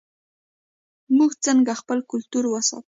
موږ څنګه خپل کلتور ساتو؟